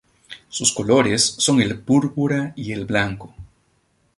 Sus colores son el púrpura y el blanco.